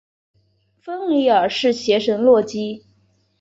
芬里尔是邪神洛基。